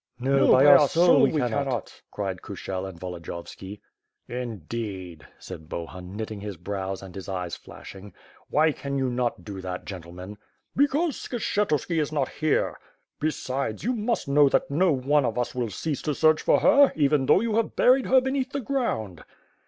"No, by our soul, we cannot," cried Kushel and Volodi yovski. "Indeed!" said Bohun, knitting his brows and his eyes flashing. "Why can you not do that, gentlemen?" "Because Skshetuski is not here. Besides, you must know that no one of us will cease to search for her, even though you have buried her beneath the ground."